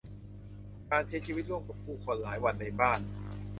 การใช้ชีวิตร่วมกับผู้คนหลายวันในบ้าน